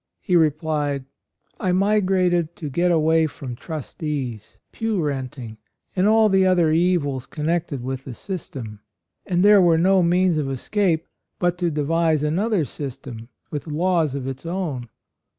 He replied: "I migrated to get away from trustees, pew renting, and all the other evils connected with the system; and there were no means of escape but to devise another system with laws of its own.